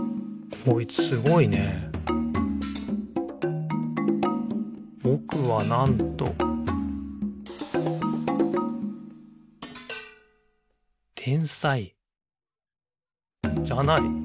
こいつすごいね「ぼくは、なんと・・」「天才」じゃない！？